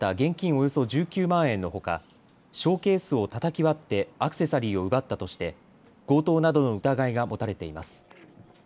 およそ１９万円のほかショーケースをたたき割ってアクセサリーを奪ったとして強盗などの疑いが持たれています。